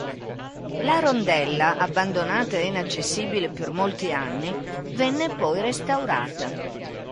La rondella, abbandonata e inaccessibile per molti anni, venne poi restaurata.